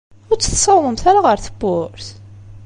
Ur tt-tessawḍemt ara ɣer tewwurt?